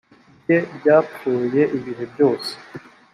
rye ryapfuye ibihe byose